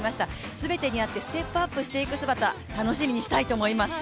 全てにあってステップアップしていく姿楽しみにしていきたいと思います。